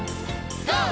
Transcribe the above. ＧＯ！